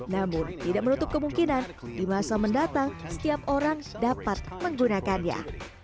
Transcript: namun tidak menutup kemungkinan di masa mendatang setiap orang dapat menggunakannya